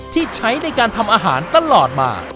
ที่ใช้ในการทำอาหารตลอดมา